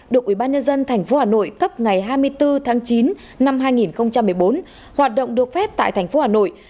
được ubnd tp hà nội cấp ngày hai mươi bốn tháng chín năm hai nghìn một mươi bốn hoạt động được phép tại tp hà nội